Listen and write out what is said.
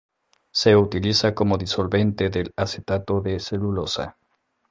Se utiliza como disolvente del acetato de celulosa.